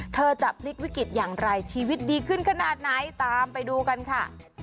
เธอจะพลิกวิกฤตอย่างไรชีวิตดีขึ้นขนาดไหนตามไปดูกันค่ะ